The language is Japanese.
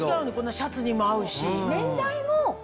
シャツにも合うし。